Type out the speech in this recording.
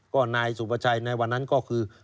ก็นายสุประชัยในวันนั้นก็คือ